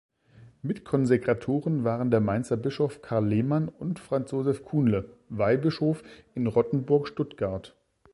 Mitkonsekratoren waren der Mainzer Bischof Karl Lehmann und Franz Josef Kuhnle, Weihbischof in Rottenburg-Stuttgart.